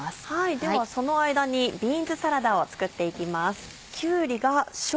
ではその間にビーンズサラダを作って行きます。